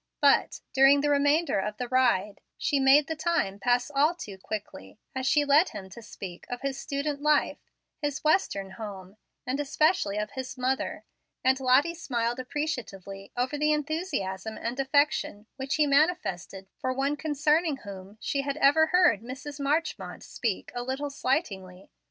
But, during the remainder of the ride, she made the time pass all too quickly, as she led him to speak of his student life, his Western home, and especially of his mother; and Lottie smiled appreciatively over the enthusiasm and affection which he manifested for one concerning whom she had ever heard Mrs. Marchmont speak a little slightingly.